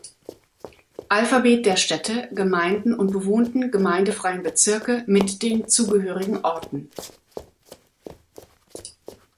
Alphabet der Städte, Gemeinden und bewohnten gemeindefreien Bezirke mit den zugehörigen Orten.